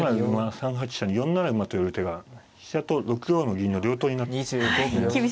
３八飛車に４七馬と寄る手が飛車と６五の銀の両取りになってるんですね。